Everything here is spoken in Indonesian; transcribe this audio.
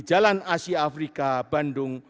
jalan asia afrika pancasila